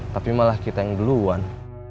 tapi malah kita yang duluan